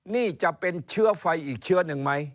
นี่จะเป็นเชื้อไฟอีกเชื้อหนึ่งไหม